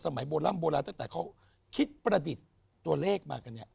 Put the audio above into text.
กับหมูขั้นเทพ